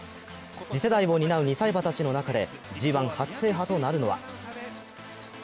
次世代を担う２歳馬たちの中でＧⅠ初制覇となるのは？